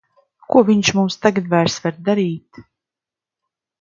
Ko viņš mums tagad vairs var darīt!